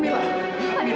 fadila ayo bawa ke tempat